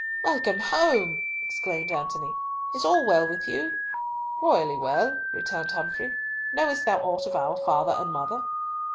"Welcome home!" exclaimed Antony. "Is all well with you?" "Royally well," returned Humfrey. "Know'st thou aught of our father and mother?"